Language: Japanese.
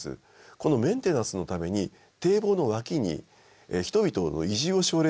このメンテナンスのために堤防の脇に人々の移住を奨励するんです。